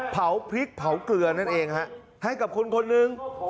เผาพริกเผาเกลือนั่นเองฮะให้กับคนคนหนึ่ง